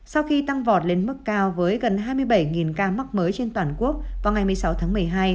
sau khi tăng vọt lên mức cao với gần hai mươi bảy ca mắc mới trên toàn quốc vào ngày một mươi sáu tháng một mươi hai